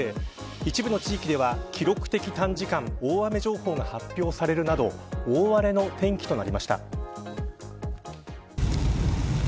一部の地域では記録的短時間大雨情報が発表されるなど大荒れの天気となりました。